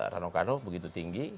ranokano begitu tinggi